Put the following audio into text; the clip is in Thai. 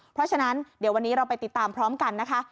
เพราะฉะนั้นเดี๋ยววันนี้เราไปติดตามพร้อมกันนะคะ